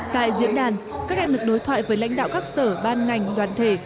tại diễn đàn các em được đối thoại với lãnh đạo các sở ban ngành đoàn thể